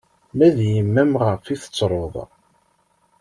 Ma d yemma-m ɣef i tettruḍ?